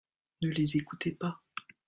Ne les écoutez pas